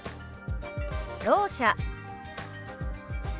「ろう者」。